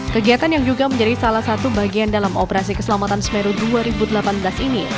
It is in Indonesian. kegiatan yang juga menjadi salah satu bagian dalam operasi keselamatan semeru dua ribu delapan belas ini